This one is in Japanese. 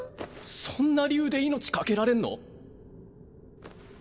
そんな理由で命懸けられんの？